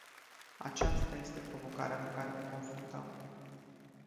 Aceasta este provocarea cu care ne confruntăm.